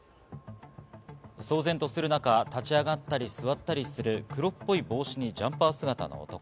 騒然とする中、立ち上がったり座ったりする黒っぽい帽子にジャンパー姿の男。